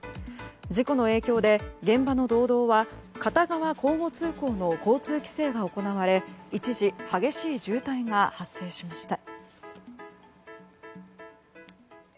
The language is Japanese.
事故の影響で現場の道道は片側交互通行の交通規制が行われ一時激しい渋滞が発生しました。